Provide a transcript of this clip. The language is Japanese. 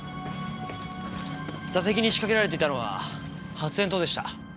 座席に仕掛けられていたのは発煙筒でした。